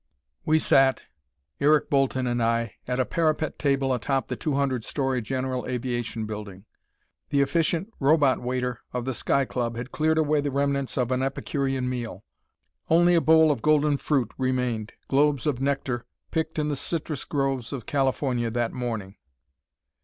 ] We sat, Eric Bolton and I, at a parapet table atop the 200 story General Aviation Building. The efficient robot waiter of the Sky Club had cleared away the remnants of an epicurean meal. Only a bowl of golden fruit remained globes of nectar picked in the citrus groves of California that morning.